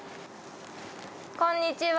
こんにちは。